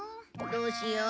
どうしよう。